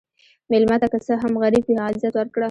مېلمه ته که څه هم غریب وي، عزت ورکړه.